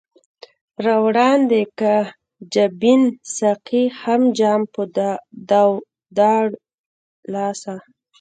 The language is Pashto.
را وړاندي که جبين ساقي هم جام پۀ دواړه لاسه